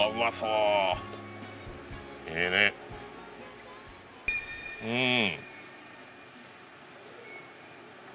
うん。